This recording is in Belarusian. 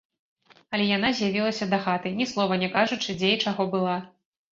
Але яна з'явілася дахаты, ні слова не кажучы, дзе і чаго была.